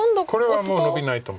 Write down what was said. これはもうノビないと思います。